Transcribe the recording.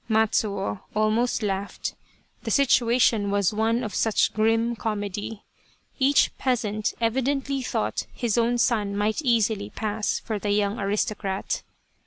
Matsuo almost laughed. The situation was one of such grim comedy. Each peasant evidently thought his own son might easily pass for the young aristocrat